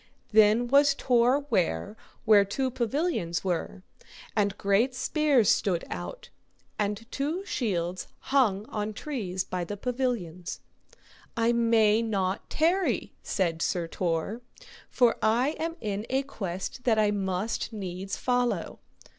Then was Tor ware where two pavilions were, and great spears stood out, and two shields hung on trees by the pavilions. I may not tarry, said Sir Tor, for I am in a quest that I must needs follow.